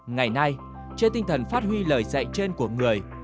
ngày nay trên tinh thần phát huy lời dạy trên của người